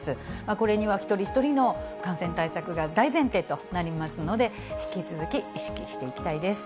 これには一人一人の感染対策が大前提となりますので、引き続き意識していきたいです。